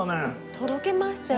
とろけましたよ